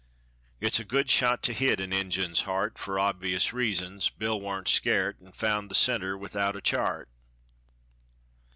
It's a good shot to hit a Injun's heart, For obvious reasons. Bill wa'n't scart, An' found the center without a chart.